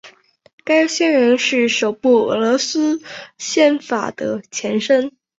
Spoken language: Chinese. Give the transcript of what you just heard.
该宣言是首部俄罗斯宪法的前身。